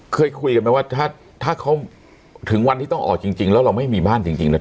เคยคุยกันไหมว่าถ้าเขาถึงวันที่ต้องออกจริงแล้วเราไม่มีบ้านจริงเนี่ย